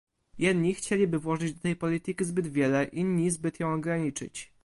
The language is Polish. Jedni chcieliby włożyć do tej polityki zbyt wiele, inni zbyt ją ograniczyć